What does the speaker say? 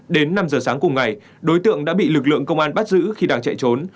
đến năm giờ sáng cùng ngày đối tượng đã bị lực lượng công an bắt giữ khi đang chạy trốn